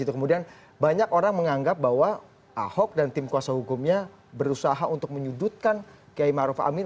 kemudian banyak orang menganggap bahwa ahok dan tim kuasa hukumnya berusaha untuk menyudutkan kiai maruf amin